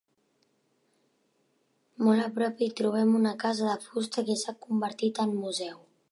Molt a prop hi trobem una casa de fusta que s'ha convertit en museu.